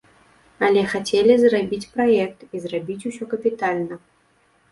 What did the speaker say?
Але хацелі зрабіць праект і зрабіць усё капітальна.